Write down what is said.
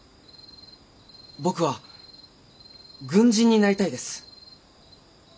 僕は軍人になりたいです。